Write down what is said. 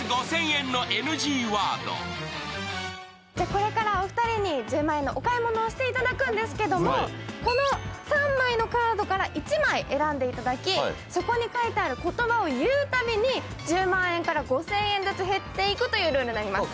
これからお二人に１０万円のお買い物をしていただくんですけれども、この３枚のカードから１枚選んでいただき、そこに書いてある言葉を言うたびに１０万円から５０００円ずつ減っていくというルールになります。